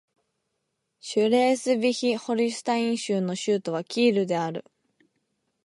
シュレースヴィヒ＝ホルシュタイン州の州都はキールである